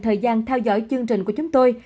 thời gian theo dõi chương trình của chúng tôi